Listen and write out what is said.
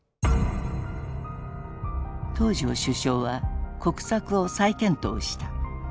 東條首相は国策を再検討した。